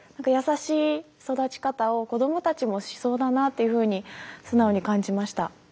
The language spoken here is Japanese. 優しい育ち方を子どもたちもしそうだなっていうふうに素直に感じました。